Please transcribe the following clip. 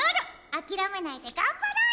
あきらめないでがんばろうよ！